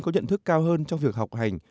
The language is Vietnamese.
có nhận thức cao hơn trong việc học hành